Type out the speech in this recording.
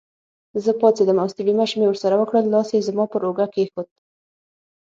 زه پاڅېدم او ستړي مشي مې ورسره وکړل، لاس یې زما پر اوږه کېښود.